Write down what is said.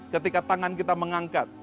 ketika tangan kita mengangkat